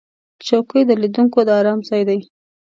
چوکۍ د لیدونکو د آرام ځای دی.